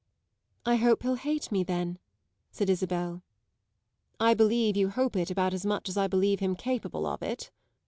"I hope he'll hate me then," said Isabel. "I believe you hope it about as much as I believe him capable of it."